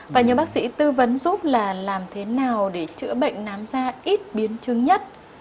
và nhiều bác sĩ tư vấn giúp là làm thế nào để chữa bệnh nám da ít biến chứng nhất